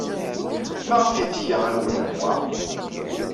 Maɣef ay tga agul am wa?